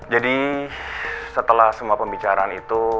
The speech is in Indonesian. jadi setelah semua pembicaraan itu